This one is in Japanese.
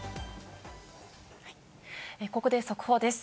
ここで速報です。